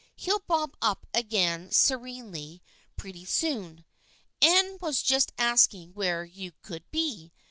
He'll bob up again serenely pretty soon. Anne was just asking where you could be.